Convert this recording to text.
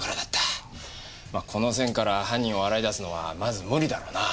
まこの線から犯人を洗い出すのはまず無理だろうな。